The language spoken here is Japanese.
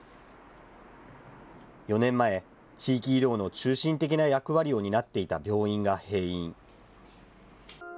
４年前、地域医療の中心的な役割を担っていた病院が閉院。